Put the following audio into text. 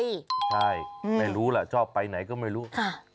ใช่ไม่รู้ล่ะชอบไปไหนก็ไม่รู้